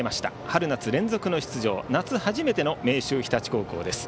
春夏連続の出場、夏は初めての明秀日立高校です。